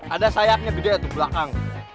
ada sayapnya gitu ya di belakang